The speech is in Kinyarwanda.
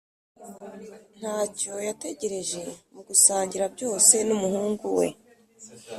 ntacyo yategereje mu gusangira byose n’umuhungu we.